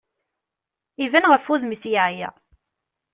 Iban ɣef wudem-is yeɛya.